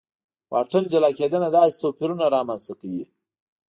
واټن جلا کېدنه داسې توپیرونه رامنځته کوي.